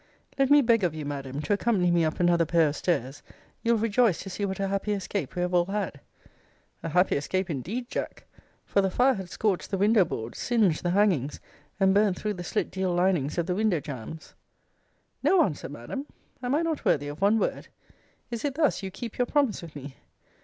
Let me beg of you, Madam, to accompany me up another pair of stairs you'll rejoice to see what a happy escape we have all had. A happy escape indeed, Jack! For the fire had scorched the window board, singed the hangings, and burnt through the slit deal linings of the window jambs. No answer, Madam! Am I not worthy of one word? Is it thus you keep your promise with me?